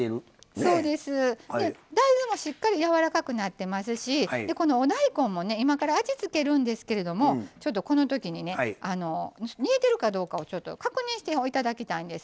大豆も、しっかりやわらかくなってますしこのお大根も今から味を付けるんですけどこのときに煮えてるかどうかをちょっと確認していただきたいんです。